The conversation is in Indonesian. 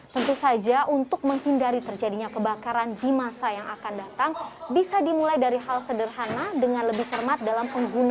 tentu saja untuk menghindari terjadinya kebakaran di masa yang akan datang bisa dimulai dari hal sederhana dengan lebih cermat dalam penggunaan